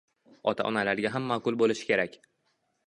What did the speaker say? ota -onalarga ham ma'qul bo'lishi kerak